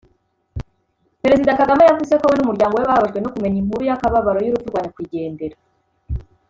Perezida Kagame yavuze ko we n’umuryango we “bababajwe no kumenya inkuru y’akababaro y’urupfu rwa Nyakwigendera